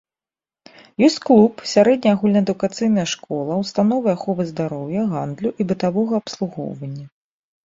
Ёсць клуб, сярэдняя агульнаадукацыйная школа, установы аховы здароўя, гандлю і бытавога абслугоўвання.